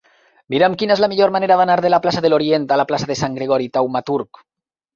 Mira'm quina és la millor manera d'anar de la plaça de l'Orient a la plaça de Sant Gregori Taumaturg.